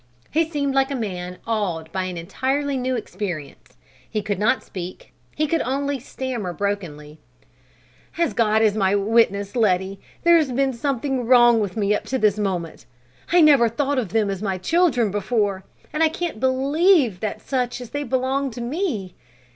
He seemed like a man awed by an entirely new experience. He could not speak, he could only stammer brokenly: "As God is my witness, Letty, there's been something wrong with me up to this moment. I never thought of them as my children before, and I can't believe that such as they can belong to me.